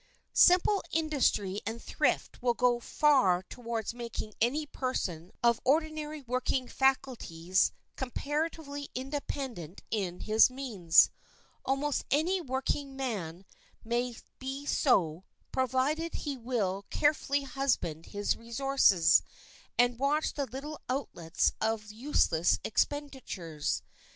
Simple industry and thrift will go far towards making any person of ordinary working faculties comparatively independent in his means. Almost any working man may be so, provided he will carefully husband his resources and watch the little outlets of useless expenditures.